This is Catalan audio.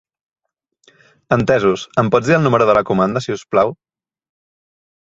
Entesos, em pots dir el número de la comanda, si us plau?